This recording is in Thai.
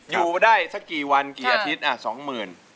อยู่มาได้สักกี่วันกี่อาทิตย์สองหมื่น